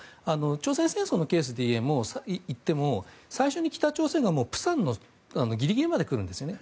朝鮮戦争のケースで言っても最初に北朝鮮がプサンのギリギリまで来るんですね。